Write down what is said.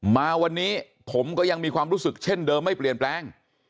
มาวันนี้ผมก็ยังมีความรู้สึกเช่นเดิมไม่เปลี่ยนแปลง